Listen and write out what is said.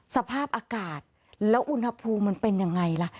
สภาพอากาศแล้วอุณหภูมิมันเป็นยังไงล่ะ